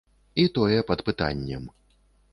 І тое пад пытаннем.